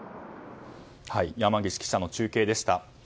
山岸記者の中継でした。